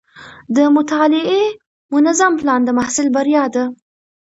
د مطالعې منظم پلان د محصل بریا ده.